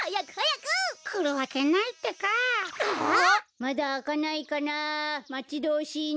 まだあかないかな。